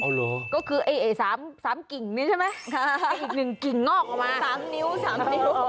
เอาเหรอก็คือไอไอสามสามกิ่งนี่ใช่ไหมอีกหนึ่งกิ่งงอกออกมาสามนิ้วสามนิ้ว